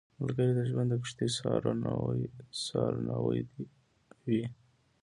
ملګری د ژوند د کښتۍ سارنوی وي